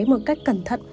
một cách cẩn thận